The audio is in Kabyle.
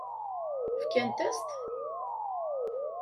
Fkant-as-t?